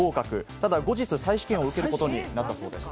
しかし後日、再試験を受けることになったそうです。